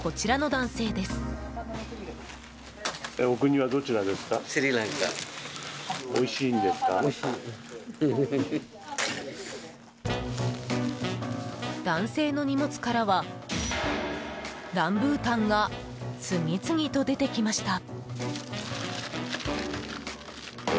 男性の荷物からはランブータンが次々と出てきました。